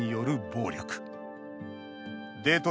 デート